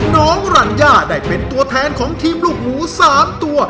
น้องรัญญาได้เป็นตัวแทนของทีมลูกหมู๓ตัว